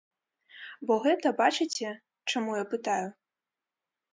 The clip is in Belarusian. Бо гэта, бачыце, чаму я пытаю?